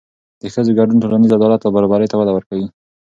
د ښځو ګډون ټولنیز عدالت او برابري ته وده ورکوي.